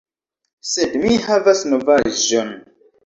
... Sed mi havas novaĵon